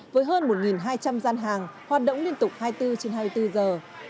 với hơn một hai trăm linh gian hàng hoạt động liên tục hai mươi bốn trên hai mươi bốn giờ